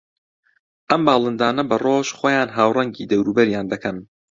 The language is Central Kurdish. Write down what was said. ئەم باڵندانە بە ڕۆژ خۆیان ھاوڕەنگی دەوروبەریان دەکەن